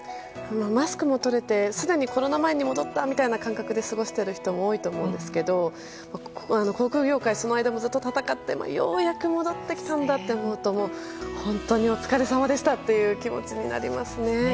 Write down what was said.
マスクも取れてすでにコロナ前に戻った感覚で過ごしている人も多いと思うんですけど航空業界はその間もずっと戦ってようやく戻ってきたんだと思うと本当にお疲れさまでしたという気持ちになりますね。